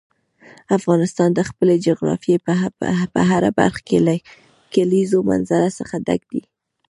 افغانستان د خپلې جغرافیې په هره برخه کې له کلیزو منظره څخه ډک دی.